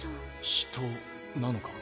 人なのか？